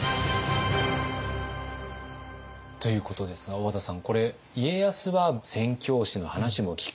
ということですが小和田さんこれ家康は宣教師の話も聞く。